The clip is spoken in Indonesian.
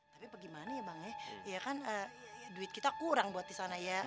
tapi bagaimana ya bang ya duit kita kurang buat disana ya